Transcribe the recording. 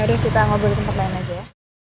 mari kita ngobrol tempat lain aja ya